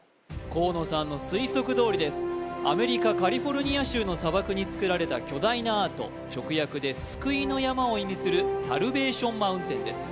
河野さんの推測どおりですアメリカカリフォルニア州の砂漠に作られた巨大なアート直訳で救いの山を意味するサルベーション・マウンテンです